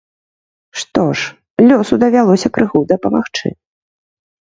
Што ж, лёсу давялося крыху дапамагчы.